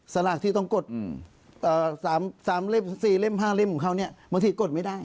สลากที่ต้องกด๓เล่ม๔เล่ม๕เล่มของเขาเนี่ยบางทีกดไม่ได้